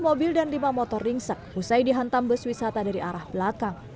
dua mobil dan lima motor ringsek usai dihantam bus wisata dari arah belakang